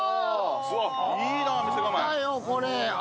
いいなあ、店構え。